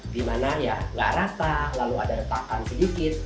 dimana ya nggak rasa lalu ada retakan sedikit